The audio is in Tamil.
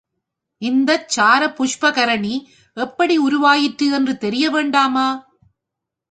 இந்தச் சார புஷ்கரணி எப்படி உருவாயிற்று என்று தெரியவேண்டாமா?